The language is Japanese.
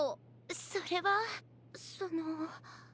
それはその。